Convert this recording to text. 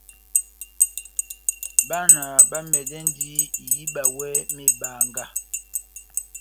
Bána bamɛdɛndi ihíba iwɛ mebanga.